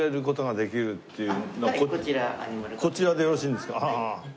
こちらでよろしいんですか？